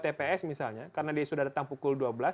tps misalnya karena dia sudah datang pukul dua belas